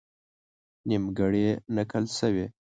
نیمګړې نقل شوې.